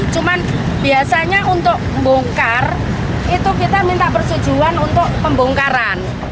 cuman biasanya untuk membongkar itu kita minta persetujuan untuk pembongkaran